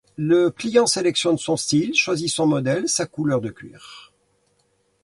Le client sélectionne son style, choisit son modèle, sa couleur de cuir.